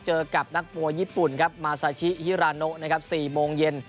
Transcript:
เจอกับนักมวยญี่ปุ่นครับมาซาชิฮิราโนนะครับ๔โมงเย็น